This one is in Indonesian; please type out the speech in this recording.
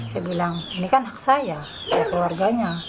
saya bilang ini kan hak saya ya keluarganya